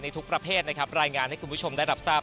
ในทุกประเภทรายงานให้คุณผู้ชมได้รับทราบ